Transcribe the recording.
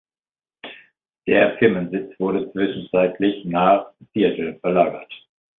Der Firmensitz wurde zwischenzeitlich nach Seattle verlagert.